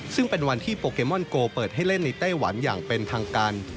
ซึ่งเป็นวันที่โปเกมอนโกเปิดให้เล่นในไต้หวันอย่างเป็นทางการ